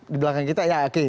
di belakang kita